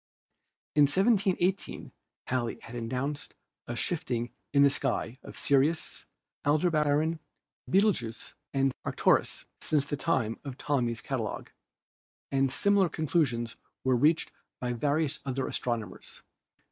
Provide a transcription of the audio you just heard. In 1718 Halley had announced a shifting in the sky of Sirius, Aldebaran, Betelgeux and Arcturus since the time of Ptolemy's catalogue, and similar conclusions were reached by various other astronomers.